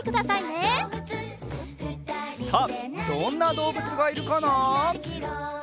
さあどんなどうぶつがいるかな？